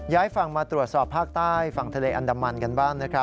ฝั่งมาตรวจสอบภาคใต้ฝั่งทะเลอันดามันกันบ้าง